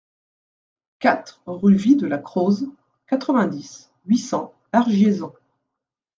quatre rUE VIE DE LA CROZE, quatre-vingt-dix, huit cents, Argiésans